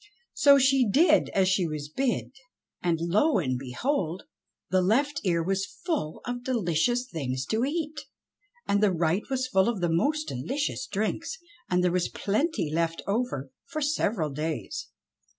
So she did as she was bid, and lo and behold, the left ear was full of delicious things to eat, and the right was full of the most delicious drinks, and there was plenty left over for several days.